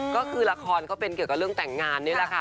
ก็คือละครก็เป็นเกี่ยวกับเรื่องแต่งงานนี่แหละค่ะ